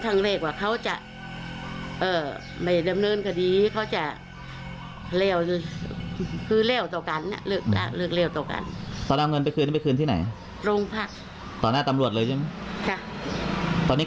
ก็กลัวว่าเขาจะไม่ยอมแล้วกลัวว่าลูกมันกระจิดทองดำเนินค่ะดี